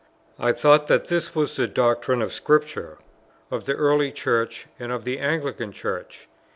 I thought that this was the doctrine of Scripture, of the early Church, and of the Anglican Church.